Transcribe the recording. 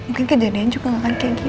mungkin kejadian juga gak akan kayak gini